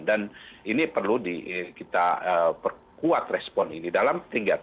dan ini perlu kita kuat respon ini dalam tiga t